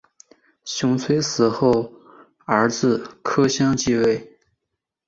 熊遂死后儿子柯相继位。